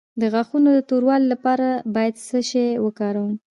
د غاښونو د توروالي لپاره باید څه شی وکاروم؟